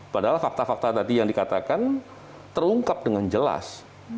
padahal fakta fakta tadi yang dikatakan terungkap dengan jelas